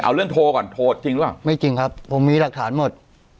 เอาเรื่องโทรก่อนโทรจริงหรือเปล่าไม่จริงครับผมมีหลักฐานหมด